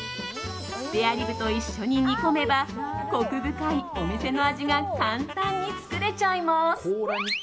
スペアリブと一緒に煮込めば奥深いお店の味が簡単に作れちゃいます！